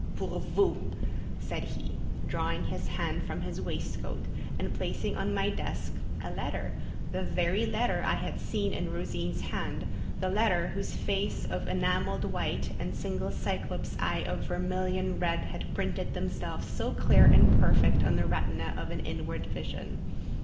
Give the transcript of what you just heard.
pour vous," said he, drawing his hand from his waist coat, and placing on my desk a letter—the very letter I had seen in Rosine's hand—the letter whose face of enamelled white and single Cyclop's eye of vermilion red had printed themselves so clear and perfect on the retina of an inward vision.